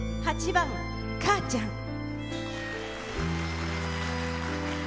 ８番「かあちゃん」。